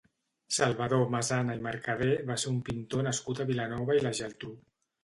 Salvador Masana i Mercadé va ser un pintor nascut a Vilanova i la Geltrú.